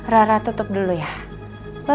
rara tutup dulu ya